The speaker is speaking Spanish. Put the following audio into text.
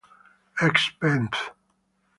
Ex Benth.